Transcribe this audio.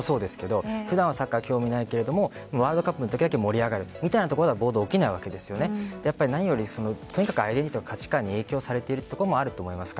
普段は、サッカー興味ないけどワールドカップの時だけ盛り上がるみたいなところ暴動は起きないわけで何よりアイデンティティーと価値観に影響されていると思いますか。